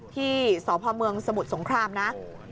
ที่สพเมืองสมุทรสงครามนะ